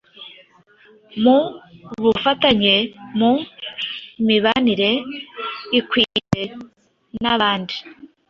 mu bufatanye, mu mibanire ikwiye n’abandi